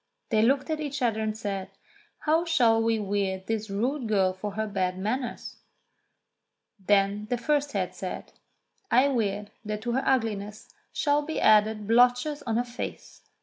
They looked at each other and said, "How shall we weird this rude girl for her bad manners .?" Then the first head said : "I weird that to her ugliness shall be added blotches on her face."